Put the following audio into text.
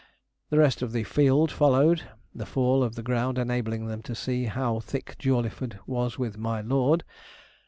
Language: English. The rest of the 'field' followed, the fall of the ground enabling them to see 'how thick Jawleyford was with my lord.'